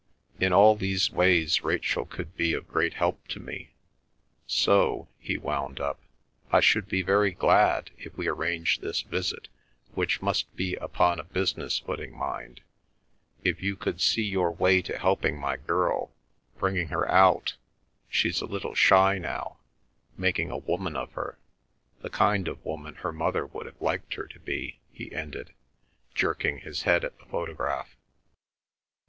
In all these ways Rachel could be of great help to me. So," he wound up, "I should be very glad, if we arrange this visit (which must be upon a business footing, mind), if you could see your way to helping my girl, bringing her out—she's a little shy now,—making a woman of her, the kind of woman her mother would have liked her to be," he ended, jerking his head at the photograph.